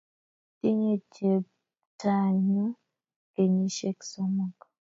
tinye cheptanyuu kenyishek somok